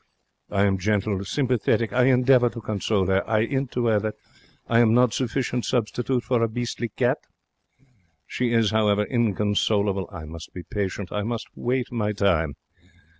I am gentle, sympathetic. I endeavour to console her. I 'int to her that am I not sufficient substitute for a beastly cat? She is, however, inconsolable. I must be patient. I must wait my time.